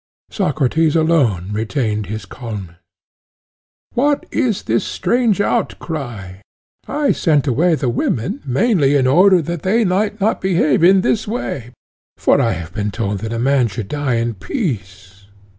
Socrates alone retained his calmness: What is this strange outcry? he said. I sent away the women mainly in order that they might not misbehave in this way, for I have been told that a man should die in peace.